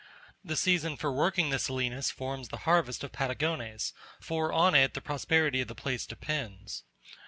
The season for working the salinas forms the harvest of Patagones; for on it the prosperity of the place depends.